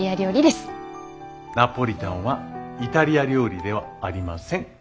ナポリタンはイタリア料理ではありません。